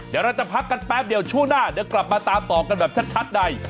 เดี๋ยวเราจะพักกันแป๊บเดียวช่วงหน้าเดี๋ยวกลับมาตามต่อกันแบบชัดใน